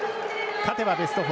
勝てばベスト４。